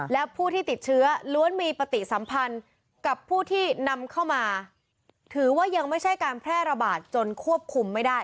และผู้ที่ติดเชื้อล้วนมีปฏิสัมพันธ์กับผู้ที่นำเข้ามาถือว่ายังไม่ใช่การแพร่ระบาดจนควบคุมไม่ได้